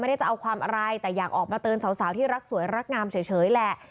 จะเอาความอะไรแต่อยากออกมาเตือนสาวที่รักสวยรักงามเฉยแหละ